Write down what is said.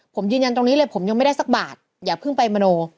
ผมยืนยันตรงนี้เลยผมยังไม่ได้สักบาทอย่าเพิ่งไปมโน